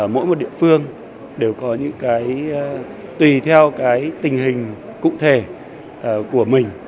mỗi một địa phương đều có những cái tùy theo cái tình hình cụ thể của mình